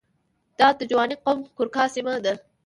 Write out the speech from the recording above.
دا د جوانګ قوم کورواکه سیمه ده.